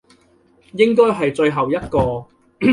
應該係最後一個